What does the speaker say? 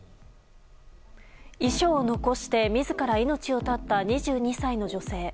遺書を残して自ら命を絶った２２歳の女性。